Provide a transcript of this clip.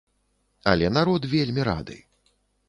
Але народ вельмі рады.